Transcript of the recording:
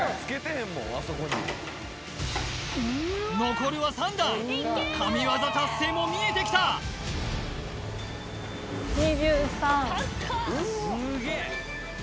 残るは３段神業達成も見えてきた２３！